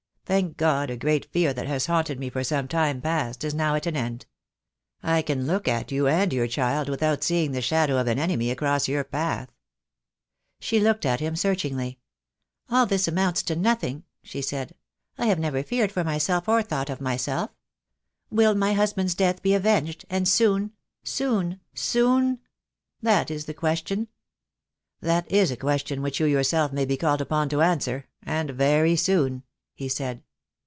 Thank God, a great fear that has haunted me for some time past is now at an end. I can look at you and your child without seeing the shadow of an enemy across your path." She looked at him searchingly. THE DAY WILL COME. 2 J I "All this amounts to nothing," she said. "I have never feared for myself or thought of myself. Will my husband's death be avenged, and soon, soon, soon? That is the question." "That is a question which you yourself may be called upon to answer — and very soon," he said.